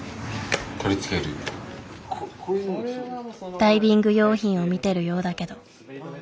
ダイビング用品を見てるようだけど。